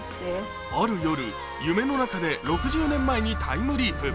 ある夜、夢の中で６０年前にタイムリープ。